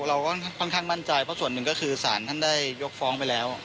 เราก็ค่อนข้างมั่นใจเพราะส่วนหนึ่งก็คือสารท่านได้ยกฟ้องไปแล้ว